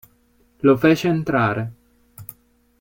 Lo fece entrare.